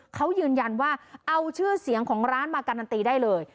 เขายืนยันว่าเอาชื่อเสียงของร้านมาการันตีได้เลย